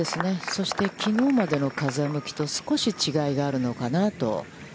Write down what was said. そして、きのうまでの風向きと、少し違いがあるのかなと。